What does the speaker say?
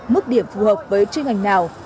mức điểm phù hợp với chuyên ngành nào